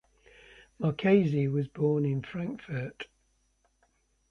Marchesi was born in Frankfurt.